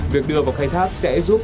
việc đưa vào khai thác sẽ giúp